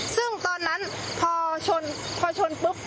ซึ่งตอนนั้นพอชนปุ๊บ